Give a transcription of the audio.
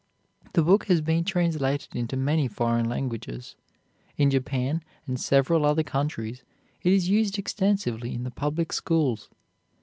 The book has been translated into many foreign languages. In Japan and several other countries it is used extensively in the public schools.